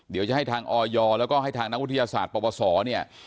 เดี๋ยวจะให้ทางออยแล้วก็ให้ทางนักวิทยาศาสตร์ปปศเนี่ย